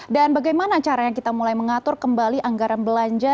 dan bagaimana caranya kita mulai mengatur kembali anggaran belanja